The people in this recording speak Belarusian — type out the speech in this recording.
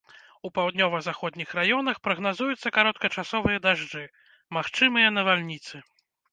У паўднёва-заходніх раёнах прагназуюцца кароткачасовыя дажджы, магчымыя навальніцы.